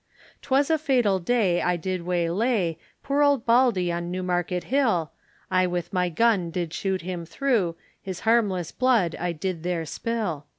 'Twas a fatal day I did waylay, Poor Old Baldey on Newmarket Hill, I with my gun did shoot him through, His harmless blood I did there spill.